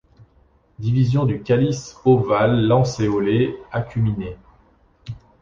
Divisions du calice ovales-lancéolées, acuminées.